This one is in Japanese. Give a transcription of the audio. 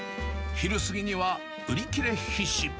昼過ぎには売り切れ必至。